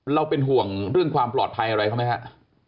เราเป็นห่วงเรื่องความปลอดภัยอะไรเขาไหมครับ